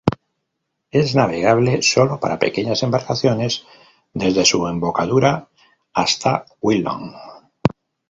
Es navegable sólo para pequeñas embarcaciones desde su embocadura hasta Weldon.